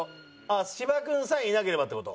あっ芝君さえいなければって事？